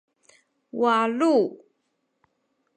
walu